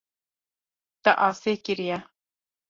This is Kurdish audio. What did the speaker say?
Te asê kiriye.